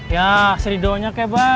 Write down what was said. ya seri doanya